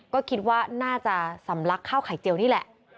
ก็คิดว่าน่าจะสำลักข้าวไข่เจียวนี่แหละ